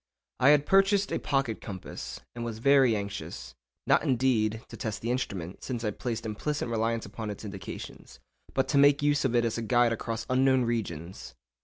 I had purchased a pocket compass, and was very anxious—not, indeed, to test the instrument, since I placed implicit reliance upon its indications—but to make use of it as a guide across unknown regions.